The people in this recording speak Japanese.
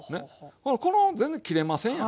ほらこの全然切れませんやんか。